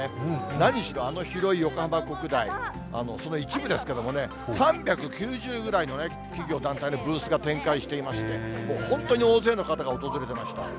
何しろあの広い横浜国大、その一部ですけどもね、３９０ぐらいの企業、団体のブースが展開していまして、もう本当に大勢の方が訪れてました。